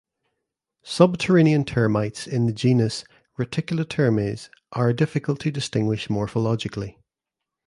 Subterranean termites in the genus "Reticulitermes" are difficult to distinguish morphologically.